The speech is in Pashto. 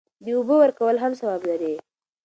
د اوبو ورکول هم ثواب لري.